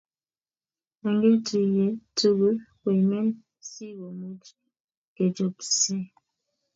Ongetuiye tugul koimen si kemuch kechopisie